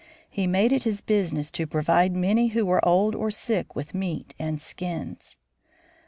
He made it his business to provide many who were old or sick with meat and skins.